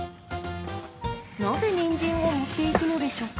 なぜニンジンを持っていくのでしょうか。